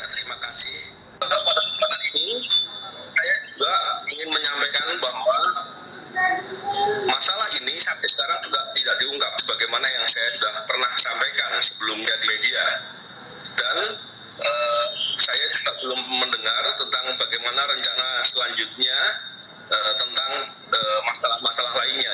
saya belum mendengar tentang bagaimana rencana selanjutnya tentang masalah masalah lainnya